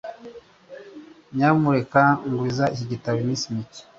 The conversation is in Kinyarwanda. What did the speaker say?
Nyamuneka nguriza iki gitabo iminsi mike.